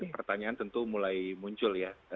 pertanyaan tentu mulai muncul ya